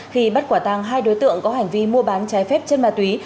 khi bắt quả tàng hai đối tượng có hành vi mua bán trái phép chân ma túy